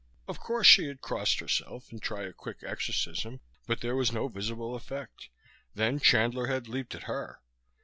Of course she had crossed herself and tried a quick exorcism but there was no visible effect; then Chandler had leaped at her.